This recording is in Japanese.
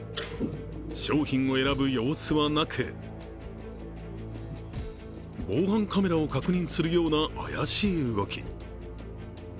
商品を選ぶ様子はなく防犯カメラを確認するような怪しい動き。